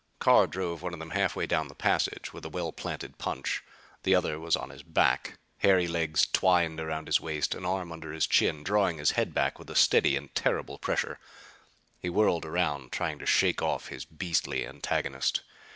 Carr drove one of them halfway down the passageway with a well planted punch. The other was on his back, hairy legs twined around his waist, an arm under his chin, drawing his head back with a steady and terrible pressure. He whirled around, trying to shake off his beastly antagonist.